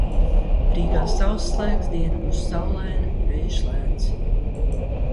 Rīgā sauss laiks, diena būs saulaina, vējš lēns.